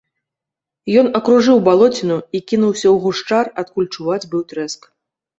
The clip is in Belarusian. Ён акружыў балоціну і кінуўся ў гушчар, адкуль чуваць быў трэск.